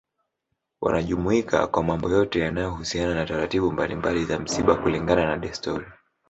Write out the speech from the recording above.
Wanajumuika kwa mambo yote yanayo husiana na taratibu mbalimbali za msiba kulingana na desturi